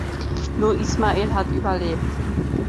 Nur Ismael hat überlebt.